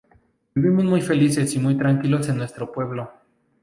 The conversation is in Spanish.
Vivimos muy felices y muy tranquilos en nuestro pueblo.